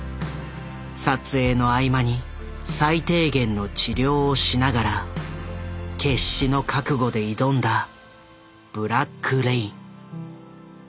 撮影の合間に最低限の治療をしながら決死の覚悟で挑んだ「ブラック・レイン」。